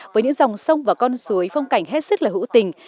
với những dòng sông và con suối phong cảnh hết sức là hữu tình